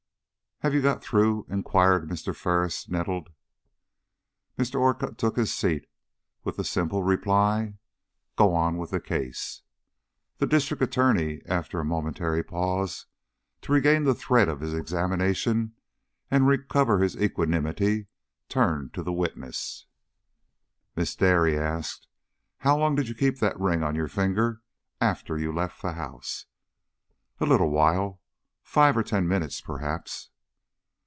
"Have you got through?" inquired Mr. Ferris, nettled. Mr. Orcutt took his seat with the simple reply: "Go on with the case." The District Attorney, after a momentary pause to regain the thread of his examination and recover his equanimity, turned to the witness. "Miss Dare," he asked, "how long did you keep that ring on your finger after you left the house?" "A little while five or ten minutes, perhaps."